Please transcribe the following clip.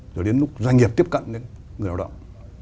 rồi đến lúc doanh nghiệp tiếp cận đến người lao động